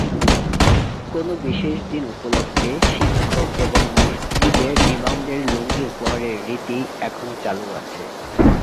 কোন বিশেষ দিন উপলক্ষে শিক্ষক এবং মসজিদের ইমামদের লুঙ্গি উপহারের রীতি এখনও চালু আছে।